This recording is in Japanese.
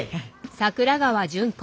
桜川順子。